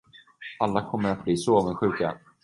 Alla kommer bli så avundsjuka.